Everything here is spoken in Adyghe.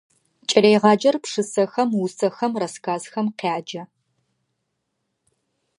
Кӏэлэегъаджэр пшысэхэм, усэхэм, рассказхэм къяджэ.